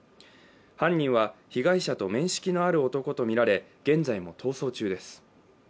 犯人は被害者と面識のある男とみられ、現在も逃走中です。